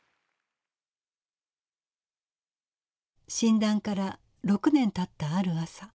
診断から６年たったある朝。